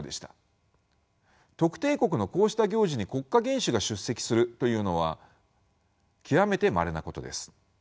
特定国のこうした行事に国家元首が出席するというのは極めてまれなことです。